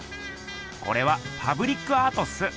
これはパブリックアートっす。